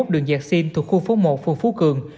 hai mươi một đường giạc sinh thuộc khu phố một phường phú cường